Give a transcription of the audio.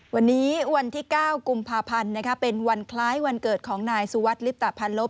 วันนี้วันที่๙กุมภาพันธ์เป็นวันคล้ายวันเกิดของนายสุวัสดิลิปตะพันลบ